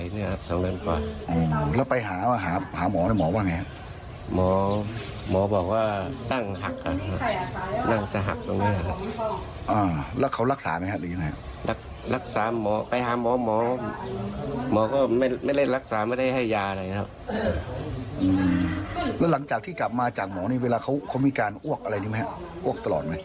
หลังจากที่กลับมาจากหมอนี่เวลาเขามีการอ้วกอะไรดิมั้ยอ้วกตลอดมั้ย